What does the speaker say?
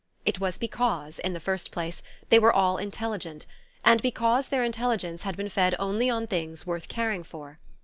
It was because, in the first place, they were all intelligent; and because their intelligence had been fed only on things worth caring for.